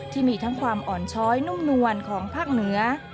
ที่มีทั้งความอ่อนช้อยนุ่มนวลของภาคเหนือ